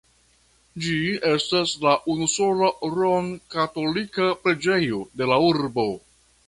Ĝi estas la unusola romkatolika preĝejo de la urbo.